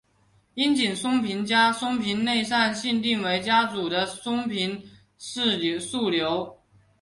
樱井松平家松平内膳信定为家祖的松平氏庶流。